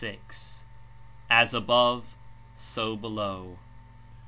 31 "as above so BELOW."